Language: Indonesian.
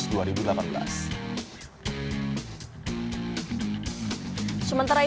sementara itu atlet tunggal putra